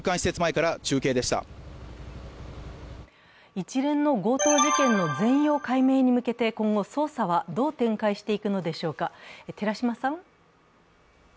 一連の強盗事件の全容解明に向けて今後、捜査はどう展開していくのでしょうか、寺島さん。